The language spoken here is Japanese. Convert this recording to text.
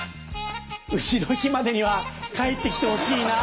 うしの日までには帰ってきてほしいな。